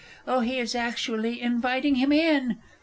Oh, he is actually inviting him in!